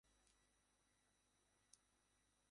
এবার আমার ধারণা শুনুন।